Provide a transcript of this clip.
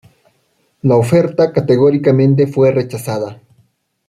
La oferta categóricamente fue rechazada.